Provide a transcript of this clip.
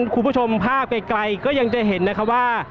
คุณผู้ชมภาพไกลก็ยังจะเห็นนะคะว่า